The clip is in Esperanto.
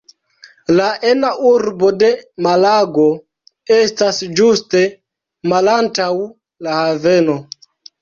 La ena urbo de Malago estas ĝuste malantaŭ la haveno.